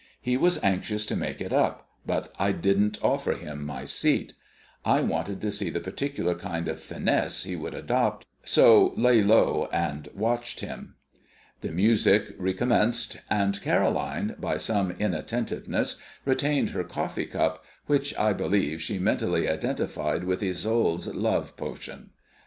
He was anxious to make it up, but I didn't offer him my seat. I wanted to see the particular kind of finesse he would adopt, so lay low and watched him. The music recommenced, and Caroline, by some inattentiveness, retained her coffee cup, which I believe she mentally identified with Isolde's love potion.